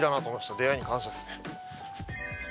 出会いに感謝っすね。